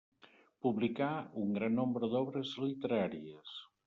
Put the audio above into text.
Publicà un gran nombre d'obres literàries.